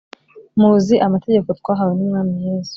Muzi amategeko twahawe n Umwami Yesu